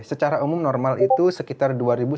secara umum normal itu sekitar dua ribu dua ribu dua ratus